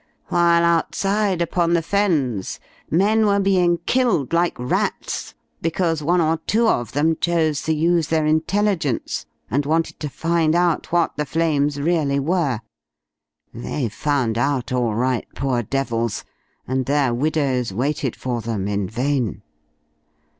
While outside upon the Fens men were being killed like rats, because one or two of them chose to use their intelligence, and wanted to find out what the flames really were. They found out all right, poor devils, and their widows waited for them in vain.